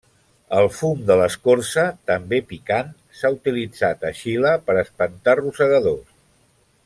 El fum de l'escorça, també picant, s'ha utilitzat a Xile per espantar rosegadors.